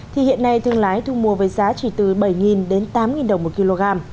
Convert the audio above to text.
thì hiện nay thương lái thu mua với giá chỉ từ bảy đến tám đồng một kg